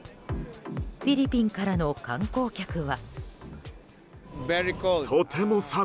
フィリピンからの観光客は。